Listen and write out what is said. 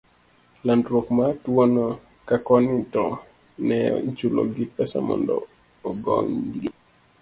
landruok mar tuwono, ka koni to ne ichulogi pesa mondo ogonygi.